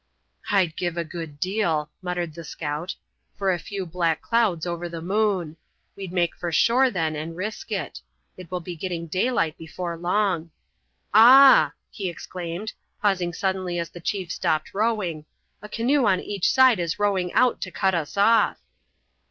"I'd give a good deal," muttered the scout, "for a few black clouds over the moon; we'd make for shore then and risk it. It will be getting daylight before long. Ah!" he exclaimed, pausing suddenly as the chief stopped rowing, "a canoe on each side is rowing out to cut us off."